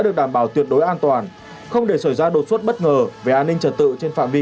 được đảm bảo tuyệt đối an toàn không để xảy ra đột xuất bất ngờ về an ninh trật tự trên phạm vi